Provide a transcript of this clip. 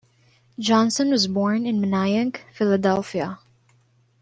Johnson was born in Manayunk, Philadelphia.